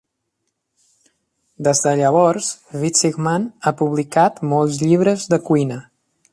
Des de llavors, Witzigmann ha publicat molts llibres de cuina.